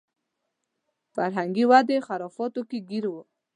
فرهنګي ودې خرافاتو کې ګیر و.